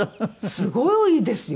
すごいですよね。